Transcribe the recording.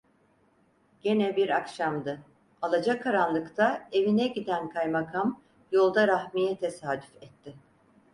Gene bir akşamdı, alacakaranlıkta evine giden kaymakam yolda Rahmi'ye tesadüf etti.